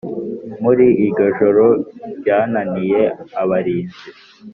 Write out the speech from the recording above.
muri iryo joro ryananiye abarinzi